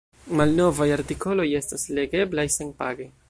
Malnovaj artikoloj estas legeblaj senpage.